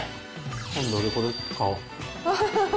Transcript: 今度、これ買おう。